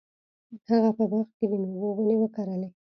هغه په باغ کې د میوو ونې وکرلې.